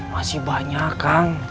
masih banyak kang